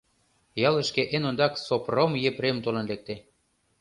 Ялышке эн ондак Сопром Епрем толын лекте.